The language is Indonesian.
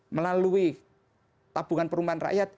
melalui tabungan perumahan rakyat